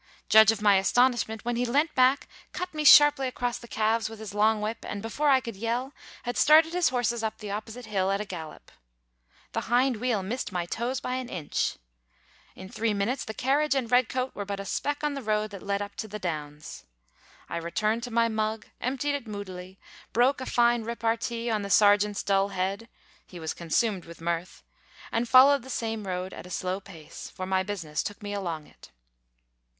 Judge of my astonishment when he leant back, cut me sharply across the calves with his long whip, and before I could yell had started his horses up the opposite hill at a gallop. The hind wheel missed my toes by an inch. In three minutes the carriage and red coat were but a speck on the road that led up to the downs. I returned to my mug, emptied it moodily, broke a fine repartee on the sergeant's dull head (he was consumed with mirth), and followed the same road at a slow pace; for my business took me along it.